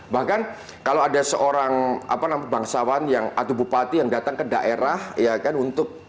bahkan kalau ada seorang bangsawan atau bupati yang datang ke daerah ya kan untuk